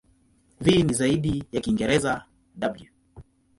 V ni zaidi ya Kiingereza "w".